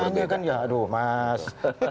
ya rasanya kan ya aduh mas